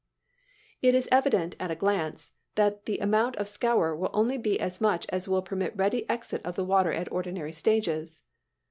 It is evident, at a glance, that the amount of "scour" will only be as much as will permit ready exit of the water at ordinary stages.